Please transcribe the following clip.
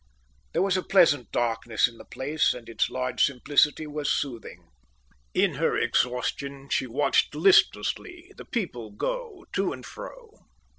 There was a pleasant darkness in the place, and its large simplicity was soothing. In her exhaustion, she watched listlessly the people go to and fro.